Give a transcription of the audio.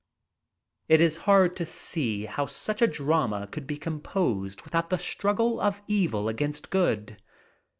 It is hard to see how such a drama could be composed without the struggle of evil against good.